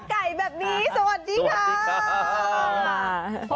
ไก่แบบนี้สวัสดีค่ะ